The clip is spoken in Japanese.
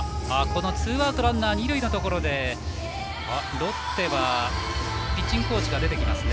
ツーアウトランナー二塁というところでロッテはピッチングコーチが出てきました。